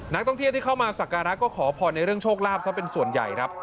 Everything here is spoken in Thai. นักท่องเที่ยวที่เข้ามาสักการะก็ขอพรในเรื่องโชคลาภซะเป็นส่วนใหญ่ครับ